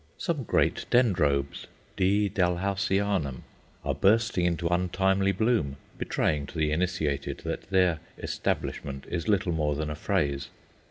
Some great Dendrobes D. Dalhousianum are bursting into untimely bloom, betraying to the initiated that their "establishment" is little more than a phrase.